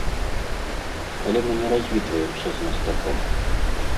Але мы не развітваемся з мастаком.